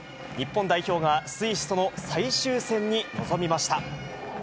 日本代表がスイスとの最終戦に臨みました。